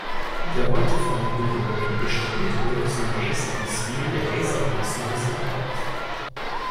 Der heute vorhandene Gebäudebestand wurde zunächst im Stil der Weserrenaissance erbaut.